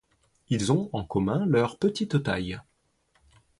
Ils ont en commun leur petite taille.